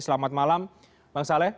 selamat malam bang saleh